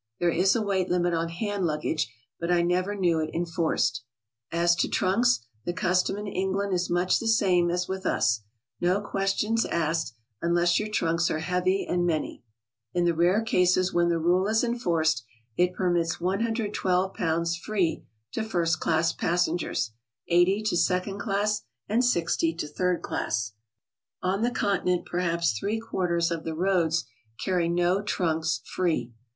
(There is a weight limit on hand luggage, but I never knew it enforced.) As to trunks, the custom in England is much the same as with us, — no questions asked unless your trunks are heavy and many. In the rare cases when the rule is enforced, it per mits 1 12 pounds free to first class passengers, 80 to second class, and 60 to third class. On the Continent perhaps three quarters of the roads carry no trunks free.